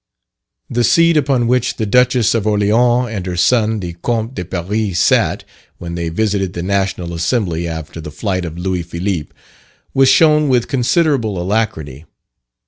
The seat upon which the Duchesse of Orleans, and her son, the Comte de Paris, sat, when they visited the National Assembly after the flight of Louis Philippe, was shown with considerable alacrity.